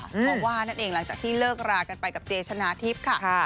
เพราะว่านั่นเองหลังจากที่เลิกรากันไปกับเจชนะทิพย์ค่ะ